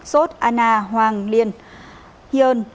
sos anna hoang liên hiên